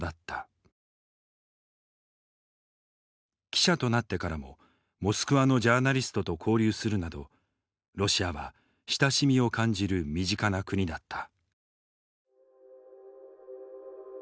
記者となってからもモスクワのジャーナリストと交流するなどロシアは親しみを感じる身近な国だった。